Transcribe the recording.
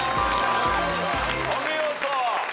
お見事。